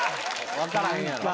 分からへんやろ。